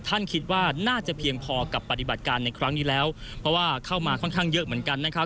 คิดว่าน่าจะเพียงพอกับปฏิบัติการในครั้งนี้แล้วเพราะว่าเข้ามาค่อนข้างเยอะเหมือนกันนะครับ